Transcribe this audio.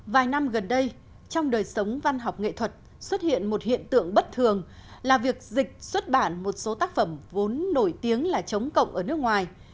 vài năm gần đây trong đời sống văn học nghệ thuật xuất hiện một hiện tượng bất thường là việc dịch xuất bản một số tác phẩm vốn nổi tiếng là chống cộng ở nước ngoài